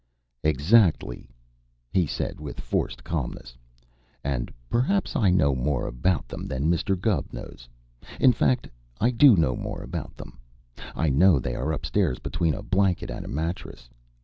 "Exactly!" he said with forced calmness. "And perhaps I know more about them than Mr. Gubb knows. In fact, I do know more about them. I know they are upstairs between a blanket and a mattress.